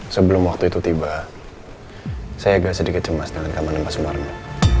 sebelum waktu itu tiba saya agak sedikit cemas dengan keamanan pak sumarno